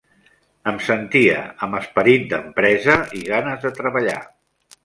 Em sentia amb esperit d'empresa i ganes de treballar.